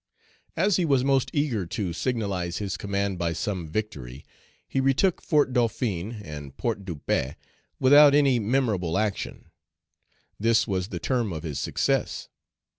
As he was most eager to signalize his command by some victory, he retook Fort Dauphin and Port De Paix, without any memorable action. This was the term of his success.